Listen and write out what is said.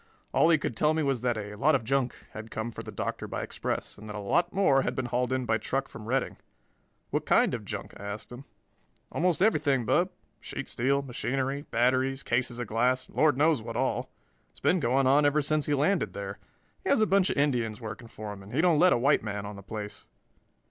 All he could tell me was that a "lot of junk" had come for the Doctor by express and that a lot more had been hauled in by truck from Redding. "What kind of junk?" I asked him. "Almost everything, Bub: sheet steel, machinery, batteries, cases of glass, and Lord knows what all. It's been going on ever since he landed there. He has a bunch of Indians working for him and he don't let a white man on the place."